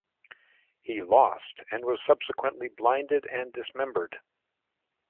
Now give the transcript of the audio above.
He lost and was subsequently blinded and dismembered.